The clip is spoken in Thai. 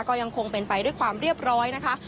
ก็ยังคงเป็นไปด้วยความเรียบร้อยนะคะ